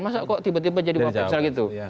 masa kok tiba tiba jadi pak presiden